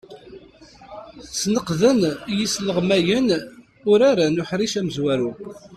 Sneqden yisleɣmayen urar n uḥric amezwaru.